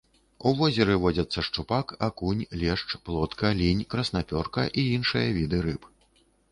У возеры водзяцца шчупак, акунь, лешч, плотка, лінь, краснапёрка і іншыя віды рыб.